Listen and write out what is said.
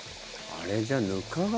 あれじゃあ、ぬかが。